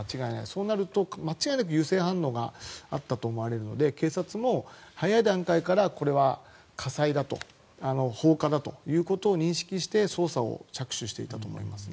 そうなると間違いなく油性反応があったと思われるので警察も早い段階からこれは火災だと放火だということを認識して捜査に着手していると思います。